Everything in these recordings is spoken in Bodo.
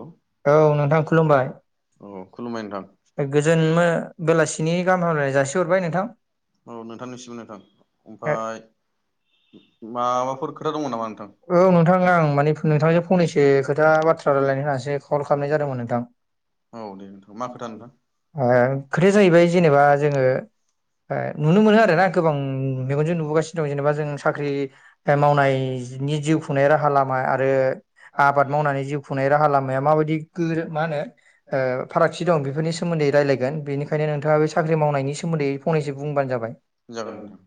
औ औ नोंथां खुलुमबाय। औ खुलुमबाय नोंथां गोजोनमो बेलासिनि गाहाम हामलायनाय जासिहरबाय नोंथां। औ नोंथांनिसिबो नोंथां ओमफाय। माबाफोर खोथा दंमोन नामा नोंथां औ नोंथां आं माने नोंथांजों फंनैसो खोथा बाथ्रा। रायलायनो होनासो कल खालामनाय जादोंमोन नोंथां औ दे नोंथां मा खोथा नोंथां ओ [unintelligible] फ्राय नुनो मोनो आरो ना गोबां मेगनजों नुबोगासिनो दं जेनेबा जोङो साख्रि बे मावनाय जिनि जिउ खुंनाय राहा लामा आरो आबाद मावनानै जिउ खुंनाय राहा लामाया माबायदि गोर मा होनो ओ फारागथि दं बेफोरनि सोमो मोन्दै रायलायगोन बेनिखायनो नोंथाङा बे साख्रि मावनायनि सोमोन्दै फंनैसो बुंबानो जाबाय जागोन नोंथां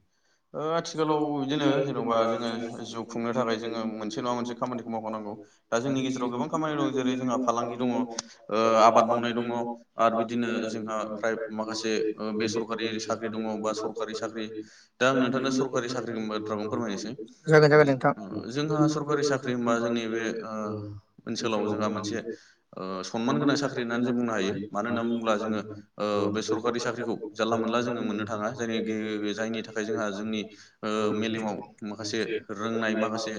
ओ आथिखालाव बिदिनो जे जोङो जिउ खुंनो थाखाय जोङो मोनसे नङा मोनसे खामानिखौ माव मावनांगौ दा जोंनि गेराव गोबां खामानि दं जेरै जोंहा फालांगि दङ ओ आबाद मावनाय दङ आरो बिदिनो जोंहा फ्राय माखासे बेसरकारि साख्रि दङ बा सरकारि साख्रि दा आं नोंथांनो सरखारि साख्रिनि बाथ्राखौनो फोरमायनोसै जागोन जागोन नोंथां जोंहा सरकारि साख्रि हमबा जोंनि बे ओ ओनसोलाव जोंहा मोनसे ओ‌ सनमान गोनां साख्रि होननानै जों बुंनो हायो मानो होनना नोब्ला जोङो बे सरकारि साख्रिखौ जानला मोनला जोङो मोननो थाङा [unintelligible] जायनि थाखाय जोंहा जोंनि ओ मेलेमाव माखासे रोंनाय माखासे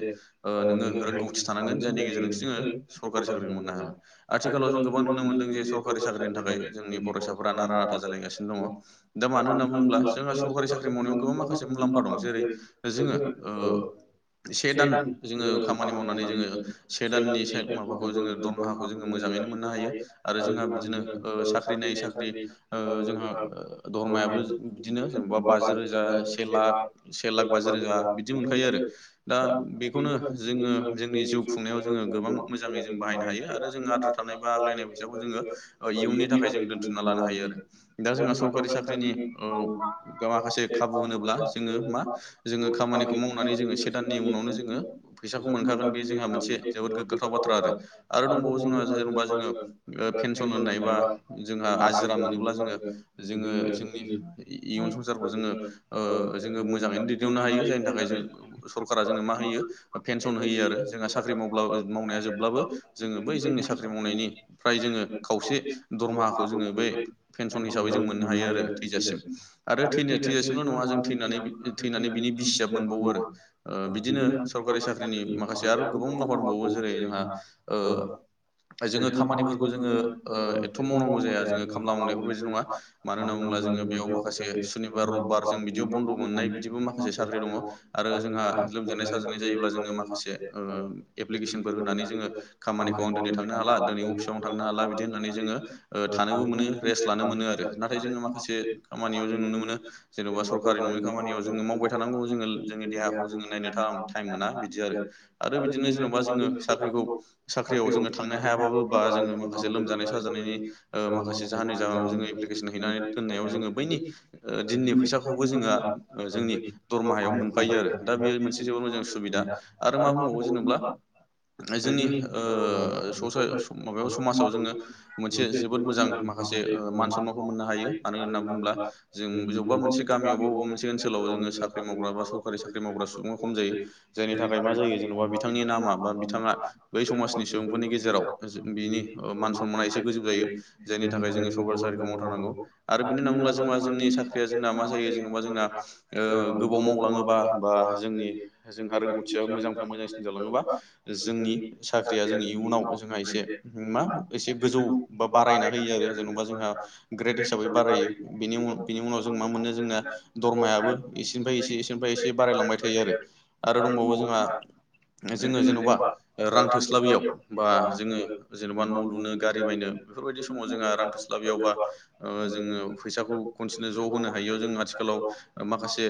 ओ नोंङो रोंगौ थि थानांगोन जायनि गेजेरजोंसो जोङो सरकारि साख्रिखौ मोननो हागोन आथिखालाव जों गोबां नुनो मोनदों जे सरकारि साख्रिनि थाखाय जोंनि फरायसाफोरा नारा नाथा जालायगासिनो दङ दा मानो होनना बुङोब्ला जोंहा सरकारि साख्रि मावनायाव गोबां माखासे मुलामफा दं जेरै जोङो ओ से दान जोङो खामानि माव माने जोङो से दाननि से माबाखौ जोङो दरमाहाखौ जोङो मोजाङैनो मोननो हायो आरो जोंहा बिदिनो ओ साख्रि नायै साख्रि ओ जोंहा धर्मायाबो बिदिनो जेनेबा बाजि रोजा ओ से लाख से लाख बाजि रोजा बिदि मोनखायो आरो दा बेखौनो जोङो जोंनि जिउ खुंनायाव जोङो गोबां मोजाङै जों बाहायनो हायो आरो जों आद्रा थानाय बा आग्लायनाय फैसाबो जोङो ओ इयुननि थाखाय जों दोनथुमना लानो हायो आरो दा जोंहा सरकारि साख्रिनि माखासे खाबु होनोब्ला जोङो मा जोङो खामानिखौ मावनानै जोङो से दाननि उनावनो जोङो फैसाखौ मोन थागोन बे जोंहा मोनसे जोबोद गोग्गाथाव बाथ्रा आरो आरो दंबावो जोंहा जेनबा जोङो पेनसन एबा जोङो आजिरा मोनोब्ला जोङो जोङो जोंनि इइ इयुन संसारखौ जोङो ओ जोङो मोजाङैनो दैदनो हायो जायनि थाखाय जों सरकारा जोङो मा होयो ओ पेनस सन होयो आरो जोंहा साख्रि मावब्ला मावनाया जोबब्लाबो जोङो बै जोंनि साख्रि मावनायनिफ्राय जोङो खावसे दरमाहाखौ जोङो बै पेेनसन हिसाबै जों मोननो हायो आरो थैजासिम आरो थैनाय थैजासिमल' नङा जों थैनानै थैनानै बिनि बिसियाबो मोनबावो आरो बिदिनो सरकारि साख्रि माखासे आरो गोबां [unintelligible] दंबावो जेरै जोंहा ओ जोङो खामानिफोरखौ जोङो ओ एथ' मावनांगौ जाया जोङो खामला मावनायफोरबायदि नङा मानो होनना बुङोब्ला जोङो बेयाव माखासे सनिबार रबार जों बिदियाव बन्द' मोननाय बिदि साख्रि दङ आरो जोंहा लोमजानाय साजानाय जायोब्ला जों जोङो माखासे ओ एप्लिकेसनफोर होनानै जोङो खामानिखौ आं दिनै थांनो हाला दिनै अफिसावनो थांनो हाला बिदि होननानै जोङो थानोबो मोनो रेस्ट लानो मोनो आरो नाथाय जोङो माखासे खामानियाव जों नुनो मोनो जेन'बा सरकारि नङि खामानियाव जोङो मावबाय थानांगौ जोङो जोंनि देहाखौ जोङो नायनो टाइम मोना बि दि आरो आरो बिदिनो जेन'बा जोंनो साख्रिखौ साख्रियाव जोङो थांनो हायाबाबो बा जोंनो माखासे लोमानाय साजानायनि ओ माखासे जाहनि जाहोनाव जोङो एप्लिकेसन हैनानै दोननायाव जोङो बैनि ओ दिननि फैसाखौबो जोङो जोंनि दरमाहायाव मोनफायो आरो दा बेयो मोनसे जोबोद मोजां सुबिदा आरो मा बुंबावो जेनब्ला ओ जोंनि ओ ससाय माबायाव समाजाव जोङो मोनसे जोबोद मोजां माखासे मान सनमानखौ मोननो हायो मानो होनना बुङोब्ला जों बबेबा मोनसे गामियावबा बबेबा मोनसे ओनसोलाव जोङो साख्रि मावग्रा बा सरखारि साख्रि मावग्रा सुबुङा खम जायो नि थाखाय मा जायो जेनबा बिथांनि नामा बा बिथाङा बै समाजनि सुबुंफोरनि गेजेराव जो बिनि मान सनमाना एसे गोजौ जायो जायनि थाखाय जोङो सरकारी साखारिखौ मावथारनांगौ आरो बेदि होनना बुोब्ला जों जोंनि सा साख्रिया जोंना मा जायो जेनबा जोंना गोबाव मावलाङोबा बा जोंनि जोंहा रोंगौथिया मोजांनिफ्राय मोजांसिन जालाङोबा जोंनि साख्रिया जों इयुनाव जोंहा एसे मा एसे गोजौ बा बारायना होयो आरो जेन'बा जोंहा ग्रेड हिसाबै बारायो बेनि उनाव बेनि उनाव जों मा मोनो जोंना द एसेनिफ्राय एसे एसेनिफ्राय एसे बारायलांबाय थायो आरो दंबावो जोंहा [unintelligible] जोङो जेन'बा रां थोस्लाबैयाव बा जोङो जेन'बा न' लुनो गारि बायनो बेफोरबायदि समाव जोंहा रां थोस्लाबियाव बा जोङो फैसाखौ खनसेनो ज' होनो हायैयाव जों आथि खालाव माखासे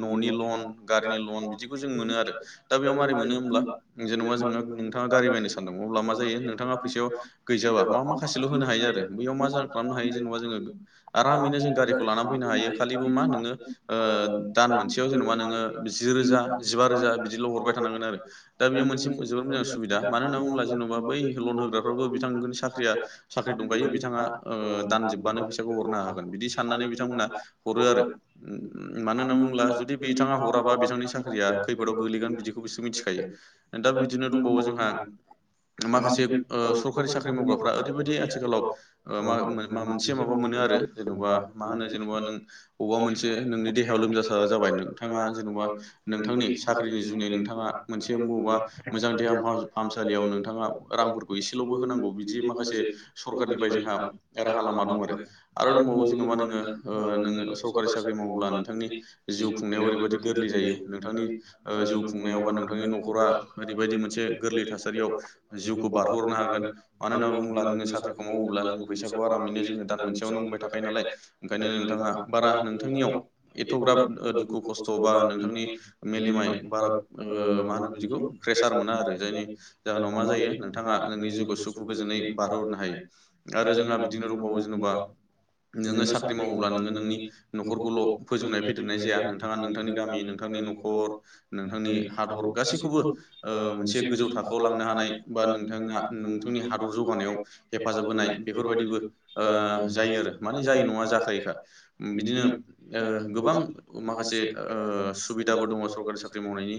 न'नि लन गारिनि लन बिदिखौ जों मोनो आरो दा बेयाव मारै मोनो होनोब्ला जेन'बा जोंना नोंथाङा गारि बायनो सानदों अब्ला मा जायो नोंथाङा फैसायाव गैजाबा मा माखासेल' होनो हायो आरो बेैयाव मा ज खालामनो हायो जेनेबा जोङो आरामैनो जों गारिखौ लानानानै फैनो हायो खालिबो मा नोङो ओ दान मोनसेयाव जेनेबा नोङो जि रोजा बा रोजा बिदिल' हरबाय थानांगोन आरो दा बेयो मोनसे जोबोद मोजां सुबिदा मानो होननानै बुङोब्ला जेन'बा बै लन होग्रा फोराबो बिथां साख्रिया साख्रि दंखायो बिथाङा ओ दानजोबबानो फैसाखौ हरनो हागोन बिदि साननानै नै बिथां मोनहा हरो आरो मानोना होननानै बुङोब्ला जुदि बिथाङा हराबा बिथांनि साख ख्रिया खैफोदाव गोलैगोन बिदिखौ बिसोर मिथिखायो। दा बिदिनो दंबावो जोंहा माखासे ओ सरकारि साख्रि मावग्राफ्रा ओरैबायदि आथिखालाव मा मोनसे माबा मोनसे बिदिनो आरो जेनबा मा होनो जेनबा नों अबा मोनसे नोंनि देहायाव लोमजा जाबाय नोंथाङा जेन'बा नोंथांनि साख्रिनि जुनै नोंथाङा मोनसे बबेबा मोजां देहा फाहामसालियाव नोंथाङा रां एल'बो होनांगौ बिदि माखासे सरखारनिफ्राय जोंहा राहा लामा दं आरो। आरो दंबावो जेनेबा नोङो ओ नोङो सरकारि साख्रि मावोब्ला नोंथांनि जिउ खुंनायाव ओरैबदि गोरलै जायो नोंथांनि ओ जिउ खुंनायाव बा नोंथांनि न'खरा ओरैबायदि मोनसे गोरलै थासारियाव जिउखौ बारहोहरनो हागोन मानो होनना बुङोब्ला जोङो साख्रिखौ मावोब्ला जों फैसाखौ आरामैनो जोङो दान मोनसेयावनो आरामै मोनबाय थाखायोनालाय। ओंखायनो नोंथाङा बारा नोंथांनियाव एथ'ग्राब दुखु खस्थ' बा नोंथांनि मेलेमै बारा ओ मा होनो बिदिखौ प्रेसार मोना आरो जायनि जाहोनाव मा जायो नोंथाङा नोंनि जिउखौ सुखु गोजोनै बारहोहरनो हायो आरो जोंहा बिदिनो रबाव जेनेबा नोङो साख्रि मावोब्ला नोङो नोंनि न'खरखौल' फोजौनाय फेदेरनाय जाया नोंथाङा नोंथांनि गामि नोंथांनि न' खर नोंथांनि हादर गासैखौबो ओ मोनसे गोजौ थाखोआव लांनो हानाय बा नोंथां नोंथांनि हादर जौगानायाव हेफाजाब होनाय बेफोरबायाददिबो ओ जायो आरो माने जायो नङा नङा जाखायो खा बिदिनो ओ गोबां माखासे सुबिदा बो दङ सरकारि साख्रि मावनायनि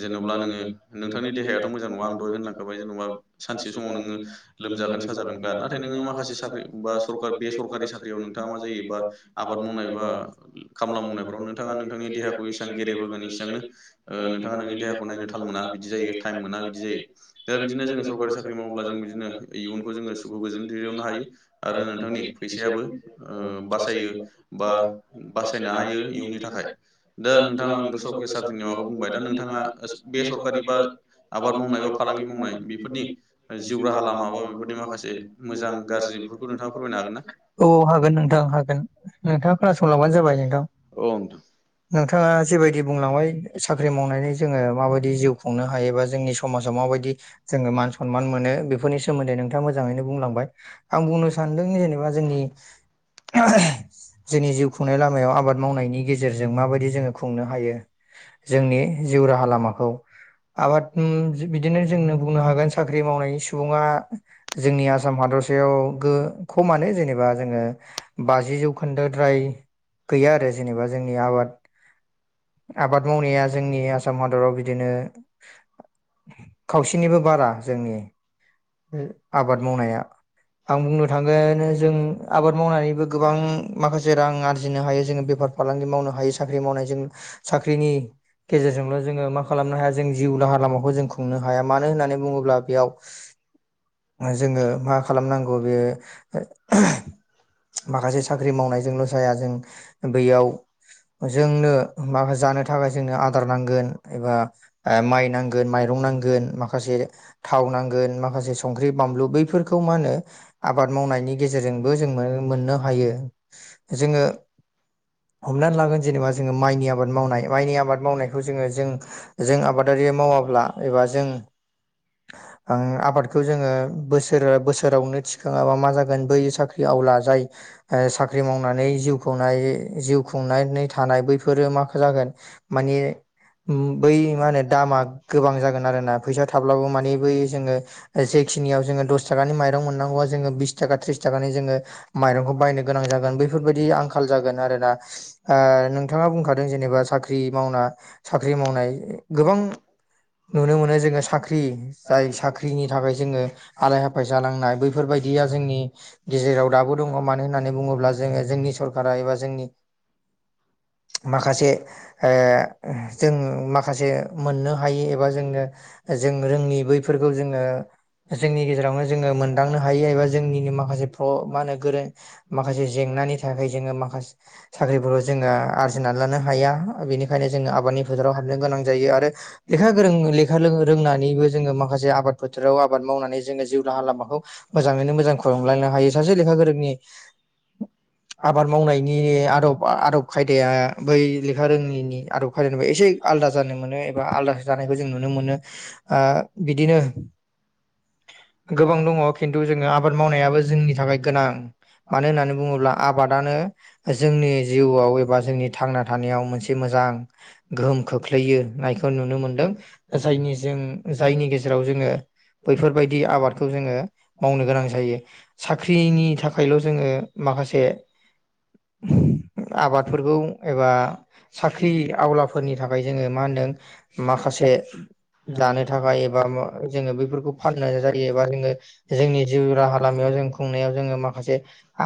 जेन'ब्ला नोङो नोंथांनि देहायाथ' मोजां नङा आं दहाय होनलांखाबाय जेन'बा सानसे समाव नोङो लोमजागोन साजागोनखा नाथाय नोङो माखासे साख्रि बा सरकारनि सरकारनि साख्रियावनो नोंथाङा मा जायो बा आबाद मावनाय बा खामला मावनायफ्राव नोंथाङा नोंथांनि देहाखौ इसां गेरेब होगोन नोंथाङा नोंनि देहाखौ नायनो थाल मोना बिदि जायो टाइम मोना बिदि जायो दा बिदिनो नो जोङो सरकारि साख्रि मावोब्ला जों बिदिनो इयुनखौ जोङो सुखु गोजोन दैदेननो हायो आरो नोंथांनि फैसायाबो बो ओ बासायो बा बासायनो हायो इउनि थाखाय दा नों थाङा आंथ' सरकारि साख्रिनि माबाखौ बुंबाय दा नोंथाङा बे सरखारि बा आबाद मावनाय बा फालांगि मावनाय बेफोरनि जिउ राहा लामा बा बेफोरनि माखासे मोजां गाज्रि बेफोरखौ नोंथाङा फोरमायनो हागोन ना? औ हागोन नोंथां हागोन। नोंथाङा खोनासंलांबानो जाबाय नोंथां। औ नोंथां नोंथाङा जेबायदि बुंलांबाय साख्रि मावनानै जोङो माबायदि जिउ खुंनो हायोबा जोंनि समाजाव माबायदि जोङो मान सनमान मोनो बेफोरनि सोमोन्दै नोंथाङा मोजाङैनो बुंलांबाय। आं बुंनो सानदों जेनेबा जोंनि जोंनि जिउ खुंनाय लामायाव आबाद मावनायनि गेजेरजों माबायदि जोङो खुंनो हायो जोंनि जिउ राहा लामाखौ। आबाद बिदिनो जोंनो बुंनो हागोन साख्रि मावनायनि सुबुङा जोंनि आसाम हादर दरसायाव गो खमानो जेनेबा जोङो बाजि जौ खोन्दोद्राय गैया आरो जेनेबा जोंनि आबाद आबाद मावनाया जोंनि आसाम हादराव बिदिनो खावसेनिबो बारा जोंनि आबाद मावनाया आं बुंनो थांगोन जों आबाद मावनानैबो गोबां माखासे रां आरजिनो हायो, जोङो बेफार फालांगि मावनो हायो साख्रि मावनायजों साख्रिनि गेजेर जोंल' जोङो मा खालामनो हाया जों जिउ दाहार लामाखौ जों खुंनो हाया मानो होन्नानै बुङोब्ला बेयाव जोङो मा खालामनांगौ बे माखासे साख्रि मावनायजोंल' जाया जों बैयाव जोंनो माखासे जानो थाखाय जोंनो आदार नांगोन एबा माइ नांगोन माइरं नांगोन माखासे थाव नांगोन माखासे संख्रि बानलु बैफोरखौ मा होनो आबाद मावनायनि गेजेरजोंबो जों मोननो हायो। जोङो हमनानै लागोन जेनेबा जोङो माइनि आबाद मावनाय माइनि आबाद मावनायखौ जोङो जों जों आबादारि बे मावाब्ला एबा जों आबादखौ जोङो बोसोर बोसोरावनो थिखाङाबा मा जागोन बै साख्रि आवला जाय ओ साख्रि मावनानै जिउ खुंनाय जिउ खुंनानै थानाय बैफोरो माखो जागोन मान बे बै मा होनो दामा गोबां जागोन आरोना फैसा थाब्लाबो माने बै जोङो जेखिनियाव जोङो दस थाखानि माइरं मोननांगौआ जोङो बिस थाखा थ्रिस थाखानि जोङो माइरंखौ बायनो गोनां जागोन बेैफोरबायाददि आंखाल जागोन आरोना नोंथाङा बुंखादों जेनेबा साख्रि मावनाय साख्रि मावनाय गोबां नुनो मोनो जोङो साख्रि जाय सा साख्रिनि थाखाय जोङो हालाय हाफाय जानांनाय बैफोरबायदिया जोंनि गेजेराव दाबो दङ मानो होननानै अब्ला जोङो जोंनि सरकारा एबा जोंनि माखासे ओ जों माखासे मोननो हायो एबा जोंनो जों रोङि बैफोरखौ जोङो जोंनि गेजेरावनो जोङो मोनदांनो हायो एबा जोंनिनो माखासे प्र मा होनो गोरों माखासे जेंनानि थाखाय जोङो माखासे साख्रिफोराव जोंहा होनानै लानो हाया बेनिखायनो जोङो आबादनि फोथाराव हाबनो गोनां जायो आरो लेखा गोरों लेखा ओंनानैबो जोङो माखासे आबाद फोथोराव आबाद मावनानै जोङो जिउ राहा लामाखौ मोजाङैनो मोजां खुंलांलायनो। हायो सासे लेखा गोरोंनि आबाद मावनायनि आदब आदब खायदाया बै लेखा रोङैनि आदब खायदानिफ्राय एसे आलादा जानो मोनो एबा आलदा जानायखौ जों नुनो मोनो। मोनो ओ बिदिनो गोबां दङ खिन्थु जोङो आबाद मावनायाबो जोंनि थाखाय गोनां मानो होननानै बुङोब्ला आबादानो जोंनि जिउआव बा जोंनि थांना थानायाव मोनसे मोजां गोहोम खोख्लैयोनायखौ नुनो मोनदों। जायनि जों जायनि गेजेराव जोङो बैफोरबायदि आबादखौ जोङो मावनो गोनां जायो। साख्रिनि थाखायल' जोङो माखासे आबाद गौ एबा साख्रि आवलाफोरनि थाखाय जोङो मा होनदों माखासे दानो थाखाय एबा जोङो बेफोरखौ फाननो जायो एबा जोङो जोंनि जिउ राहा लामायाव जिउ खुंनायाव जोङो माखासे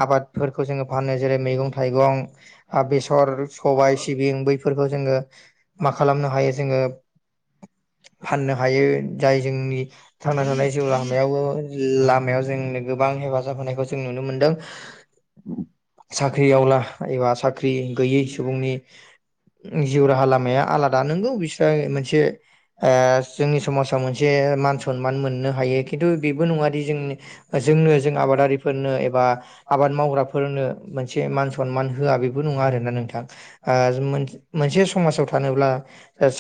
आबादफोरखौ जोङो फाननाय जेरै मेगं-थाइगं आब बेसर सबाय सिबिं बैफोरखौ जोङो मा खालामनो हायो जोङो [inaudible] फाननो हायो जाय जोंनि थांना थानाय जिउ लामायावबो लामायाव जोंनो गोबां हेबा जाफानायखौ जों नुनो मोनदों साख्रि आवला एबा साख साख्रि गैयै सुबुंनि जिउ राहा लामाया आलादा नंगौ बिसोरो मोनसे आ जोंनि समाजाव मोनसे मान सनमान मोननो हायो खिन्थु बेबो नङादि जोंनि जोंनो जों आबादारिफोरनो एबा आबाद मावग्राफोरनो मोनसे मान सनमान होआ बेबो नो नङा आरोना नोंथां ओ मो-मोनसे समाजाव थानोब्ला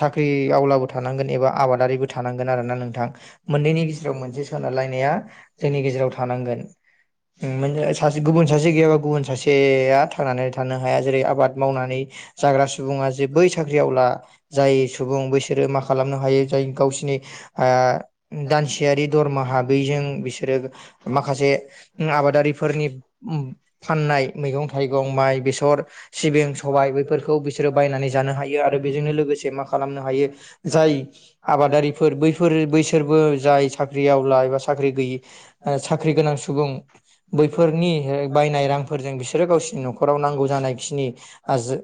साख्रि आवलाबो था नांगोन एबा आबादारिबो थानांगोन आरोना नोंथां मोननैनि गेजेराव मोनसे सोनारलायनाय जोंनि गेजेराव। हानांगोन ओमोन सासे गुबुन सासे गैयाबा गुबुन सासेया थांनानै थानो हाया जेरै- आबाद मावनानै जाग्रा सुबुङा जे बै साख्रियाव ला जाय सुबुं बैसोरो मा खालामनो हायो जाय गावसिनि ओ दानसेयारि धरमाहा बैजों बिसोरो माखासे आबादारिफोरनि फाननाय मैगं थाइगं माइ बेसा थर सिबिं सबाय बेैफोरखौ बिसोरो बायनानै जानो हायो आरो बेजोंनो लोगोसे मा खालामनो हायो। जाय आबादारिफोर बैफोरो बैसोरबो जाय साख्रियावला एबा साख्रि गैयि साख्रि गोनां सुबुं बैफोरनि ओ बायनाय रांफोरजों बिसोरो गावसिनि न'ख खराव नांगौ जानायखिनि आजो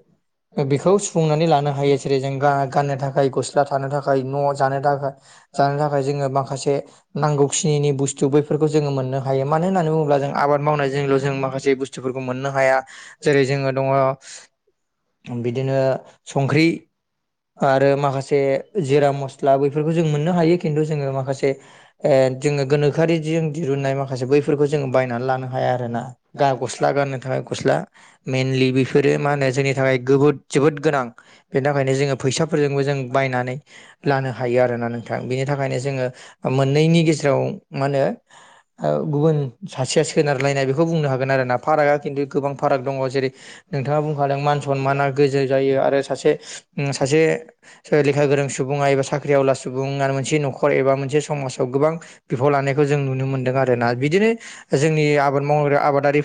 ओ बेखौ सुफुंनानै लानो हायो जेरै जों गा-गाननो थाखाय गस्ला थानो थाखाय न' जानो थाखा जानो थाखाय जोङो माखासे नांगौखिनिनो बुस्थु बैफोरखौ जोङो मोननो हायो। मानो होननानै बुङोब्ला जों आबाद मावनायजोंल' जों माखासे बुस्थुफोरखौ मोननो हाया जेरै जोङो दङ बिदिनो संख्रि आरो माखासे जिरा मस्ला बैफोरखौ जों मोननो हायो खिन्थु जोङो माखासे ओ जोङो गोनोखोआरि जों दिरुननाय माखासे बैफोरखौ जों बाय नानै लानो हाया आरोना बा गस्ला गाननो थाखाय गस्ला मेइनलि बेफोरो मा होनो जोंनि थाखाय गोबोद जोबोद गोनां बेनि थाखायनो जोङो फैसाफोरजोंबो जों बाय नानै लानो हायो आरोना नोंथां बिनि थाखायनो जोङो मोननैनि गेजेराव मा होनो ओ गुबुन सासेया सोनारलायनाय बेखौ बुंनो हागोन आरो ना फारागआ खिन्थु गोबां फाराग दङ जेरै नोंथाङा बुंखादों मान सनमाना गोजौ जायो आरो सासे उम सासे सो लेखा गोरों सुबुङा एबा साख्रि आवला सुबुङा मोनसे न'खर एबा मोनसे समाजाव गोबां बिफाव ला नायखौ जों नुनो मोन्दों आरो ना बिदिनो जोंनि आबद मावग्रा आबादारिफ्रा